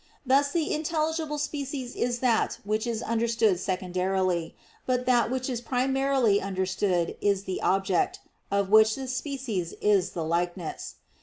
Thus the intelligible species is that which is understood secondarily; but that which is primarily understood is the object, of which the species is the likeness.